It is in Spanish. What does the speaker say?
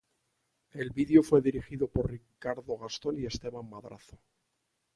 El video fue dirigido por Ricardo Gascón y Esteban Madrazo.